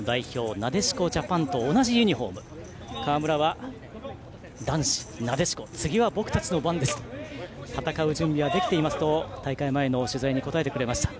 なでしこジャパンと同じユニフォーム川村怜は男子、なでしこ次は自分たち戦う準備はできていますと大会前の取材に答えてくれました。